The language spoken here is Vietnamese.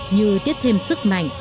như tiết thêm sức mạnh